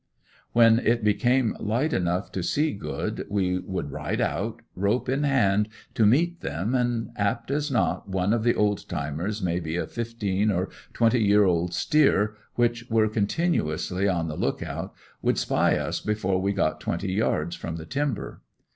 When it became light enough to see good, we would ride out, rope in hand, to meet them and apt as not one of the old timers, may be a fifteen or twenty year old steer, which were continuously on the lookout, would spy us before we got twenty yards from the timber.